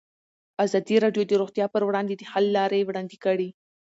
ازادي راډیو د روغتیا پر وړاندې د حل لارې وړاندې کړي.